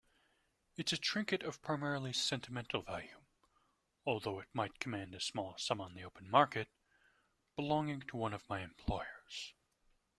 It's a trinket of primarily sentimental value, although it might command a small sum on the open market, belonging to one of my employers.